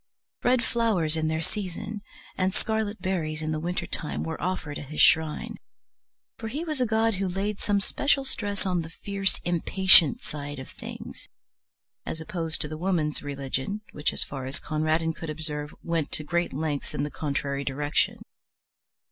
Red flowers in their season and scarlet berries in the winter time were offered at his shrine, for he was a god who laid some special stress on the fierce impatient side of things, as opposed to the Woman's religion, which, as far as Conradin could observe, went to great lengths in the contrary direction.